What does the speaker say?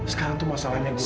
sekarang tuh masalahnya gue